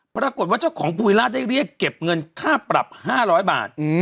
ปรากฏว่าเจ้าของภูวิล่าได้เรียกเก็บเงินค่าปรับ๕๐๐บาท